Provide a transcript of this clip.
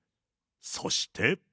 そして。